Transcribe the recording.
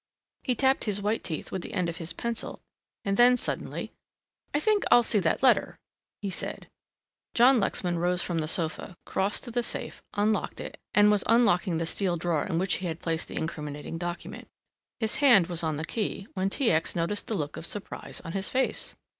He tapped his white teeth with the end of his pencil and then suddenly, "I think I'll see that letter," he said. John Lexman rose from the sofa, crossed to the safe, unlocked it and was unlocking the steel drawer in which he had placed the incriminating document. His hand was on the key when T. X. noticed the look of surprise on his face.